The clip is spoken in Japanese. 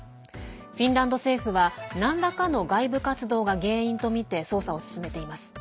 フィンランド政府はなんらかの外部活動が原因とみて捜査を進めています。